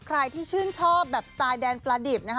ใครที่ชื่นชอบแบบสไตล์แดนประดิษฐ์